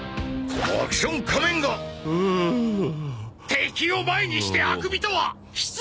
敵を前にしてあくびとは失礼だぞ！